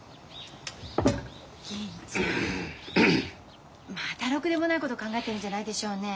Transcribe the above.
銀ちゃんまたろくでもないこと考えてるんじゃないでしょうね。